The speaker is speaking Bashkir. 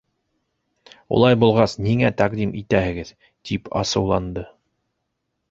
—Улай булғас, ниңә тәҡдим итәһегеҙ? —тип асыуланды